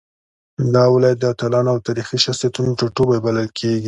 دا ولايت د اتلانو او تاريخي شخصيتونو ټاټوبی بلل کېږي.